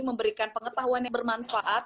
memberikan pengetahuan yang bermanfaat